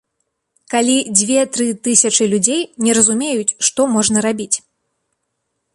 Калі дзве-тры тысячы людзей не разумеюць, што можна рабіць.